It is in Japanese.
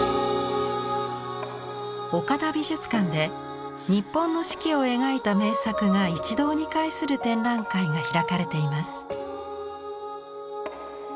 岡田美術館で日本の四季を描いた名作が一堂に会する展覧会が開かれています。